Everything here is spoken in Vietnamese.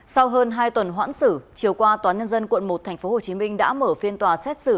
sau hơn hai tuần hoãn xử chiều qua tòa nhân dân quận một tp hcm đã mở phiên tòa xét xử